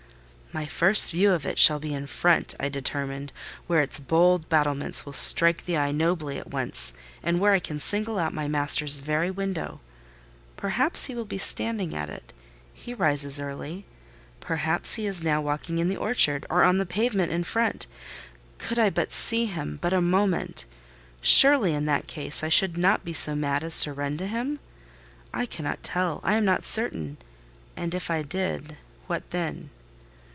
"My first view of it shall be in front," I determined, "where its bold battlements will strike the eye nobly at once, and where I can single out my master's very window: perhaps he will be standing at it—he rises early: perhaps he is now walking in the orchard, or on the pavement in front. Could I but see him!—but a moment! Surely, in that case, I should not be so mad as to run to him? I cannot tell—I am not certain. And if I did—what then?